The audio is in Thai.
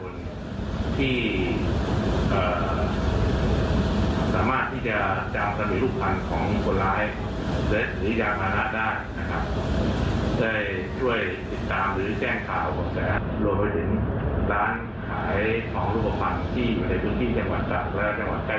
มีคนร้ายนำส่องรูปภัณฑ์ที่ได้จากการพิจารณ์อีกครั้งนี้นำไปถ่าย